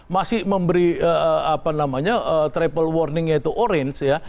masih memberi travel warningnya itu orange ya